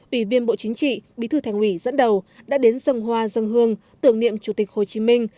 ủy viên bộ chính trị bí thư thành ủy dẫn đầu đã đến dân hoa dân hương tưởng niệm chủ tịch hồ chí minh